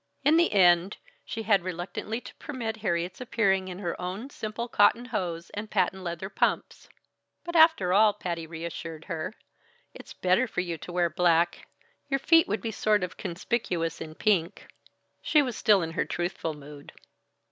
In the end, she had reluctantly to permit Harriet's appearing in her own simple cotton hose and patent leather pumps. "But after all," Patty reassured her, "it's better for you to wear black. Your feet would be sort of conspicuous in pink." She was still in her truthful mood.